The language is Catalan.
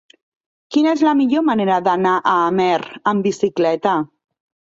Quina és la millor manera d'anar a Amer amb bicicleta?